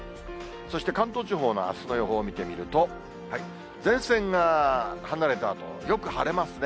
そして関東地方のあすの予報見てみると、前線が離れたあと、よく晴れますね。